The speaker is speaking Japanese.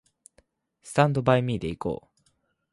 スタンドバイミーで行こう